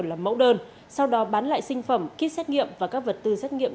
làm mẫu đơn sau đó bán lại sinh phẩm kit xét nghiệm và các vật tư xét nghiệm